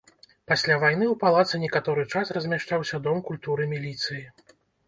Пасля вайны ў палацы некаторы час размяшчаўся дом культуры міліцыі.